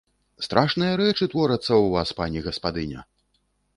Страшныя рэчы творацца ў вас, пані гаспадыня!